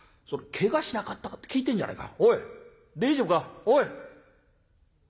けがしなかったかって聞いてんじゃねえか」。